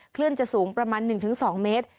คลื่นจะสูงประมาณ๑๒เมตร